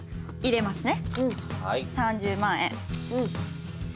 ３０万円。